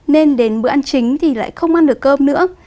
nên đến bữa ăn chính thì lại không ăn được cơm nữa